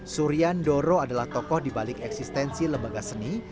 suryan doro adalah tokoh di balik eksistensi lembaga seni